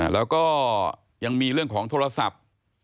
แล้วก็ยังมีเรื่องของโทรศัพท์